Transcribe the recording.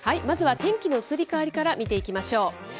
まずは天気の移り変わりから見ていきましょう。